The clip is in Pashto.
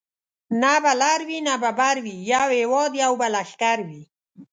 نه به لر وي نه به بر وي یو هیواد یو به لښکر وي